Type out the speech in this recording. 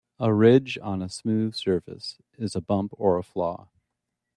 A ridge on a smooth surface is a bump or flaw.